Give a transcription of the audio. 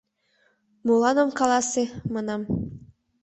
«Молан ом каласе? — манам.